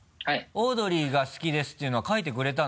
「オードリーが好きです」っていうのは書いてくれたの？